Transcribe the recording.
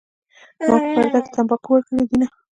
ما په پرده کې تمباکو ورکړي دینه